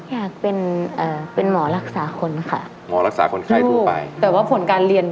อยากเป็นเอ่อเป็นหมอรักษาคนค่ะหมอรักษาคนไข้ทั่วไปแต่ว่าผลการเรียน